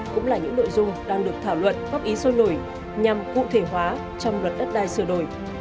cũng là những nội dung đang được thảo luận góp ý sôi nổi nhằm cụ thể hóa trong luật đất đai sửa đổi